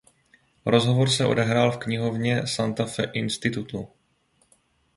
Rozhovor se odehrál v knihovně Santa Fe Institutu.